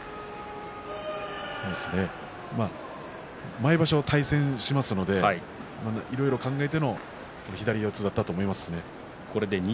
毎場所対戦しますのでいろいろ考えての左四つだったと思います。